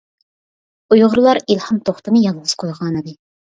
ئۇيغۇرلار ئىلھام توختىنى يالغۇز قويغانىدى.